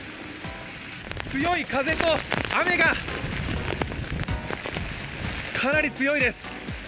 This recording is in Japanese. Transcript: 強い風と雨がかなり強いです。